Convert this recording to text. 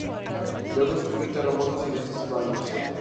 Luego sufrió terremotos y desastres varios.